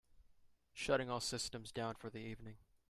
Shutting all systems down for the evening.